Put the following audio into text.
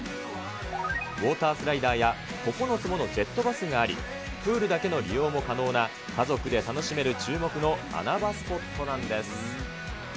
ウオータースライダーや９つものジェットバスがあり、プールだけの利用も可能な、家族で楽しめる注目の穴場スポットなんです。